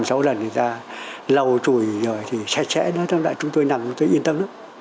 ngày năm sáu lần người ta lầu chùi rồi thì sẽ sẽ nó trong đại chúng tôi nằm tôi yên tâm lắm